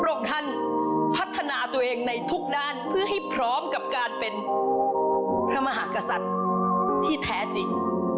องค์ท่านพัฒนาตัวเองในทุกด้านเพื่อให้พร้อมกับการเป็นพระมหากษัตริย์ที่แท้จริง